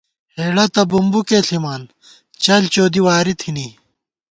ہېڑہ تہ بُومبُوکے ݪِما ، چل چودی واری تھنی